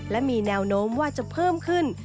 และมีแนวโน้มว่าจะเพิ่มขึ้น